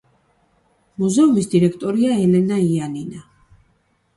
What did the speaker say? მუზეუმის დირექტორია ელენა იანინა.